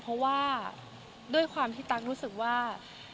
เพราะว่าด้วยความที่ตั๊กรู้สึกว่า